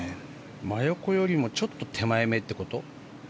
真横よりもちょっと手前めってこと？